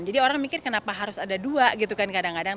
jadi orang mikir kenapa harus ada dua gitu kan kadang kadang